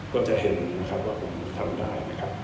ก็จะเห็นนะครับว่าผมทำได้นะครับ